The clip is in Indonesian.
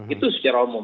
itu secara umum